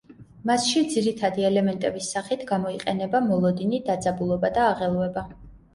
მასში ძირითადი ელემენტების სახით გამოიყენება მოლოდინი, დაძაბულობა და აღელვება.